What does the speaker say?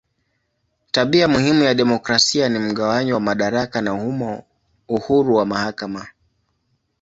Tabia muhimu ya demokrasia ni mgawanyo wa madaraka na humo uhuru wa mahakama.